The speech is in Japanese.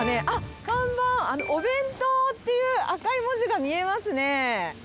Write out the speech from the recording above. あっ、看板、お弁当っていう、赤い文字が見えますね。